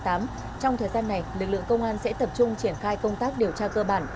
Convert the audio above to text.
trong thời gian này lực lượng công an sẽ tập trung triển khai công tác điều tra cơ bản